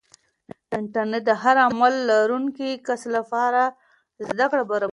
انټرنیټ د هر عمر لرونکي کس لپاره زده کړه برابروي.